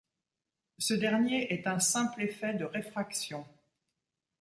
Ce dernier est un simple effet de réfraction.